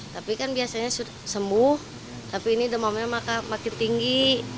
tapi kan biasanya sembuh tapi ini demamnya makin tinggi